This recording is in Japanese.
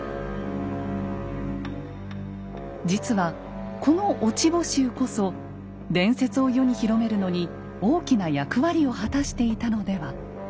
実はこの「落穂集」こそ伝説を世に広めるのに大きな役割を果たしていたのでは？